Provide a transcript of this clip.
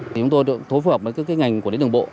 chúng tôi thối phục với các ngành của lĩnh đường bộ